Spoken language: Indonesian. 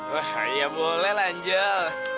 wah ya boleh lah angel